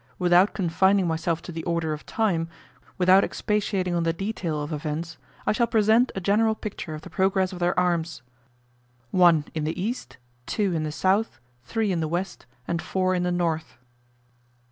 Without confining myself to the order of time, without expatiating on the detail of events, I shall present a general picture of the progress of their arms; I. In the East; II. In the South; III. In the West; and IV. In the North.